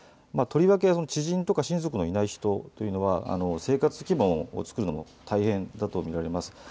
とりわけ知人とか親族のいない人というのは生活基盤をつくるのが大変だとみられます。